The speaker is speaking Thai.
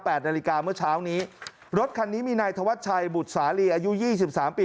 นาฬิกาเมื่อเช้านี้รถคันนี้มีนายธวัชชัยบุตรสาลีอายุยี่สิบสามปี